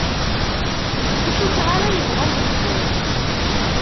Ur cukkeɣ ara yebɣa ad yeddu.